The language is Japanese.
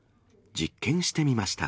実験してみました。